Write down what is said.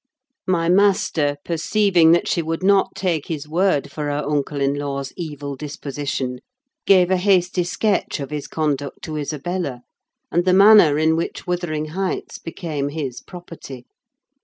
My master, perceiving that she would not take his word for her uncle in law's evil disposition, gave a hasty sketch of his conduct to Isabella, and the manner in which Wuthering Heights became his property.